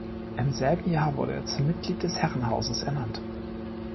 Im selben Jahr wurde er zum Mitglied des Herrenhauses ernannt.